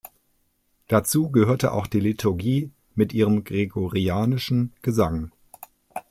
Dazu gehörte auch die Liturgie mit ihrem gregorianischen Gesang.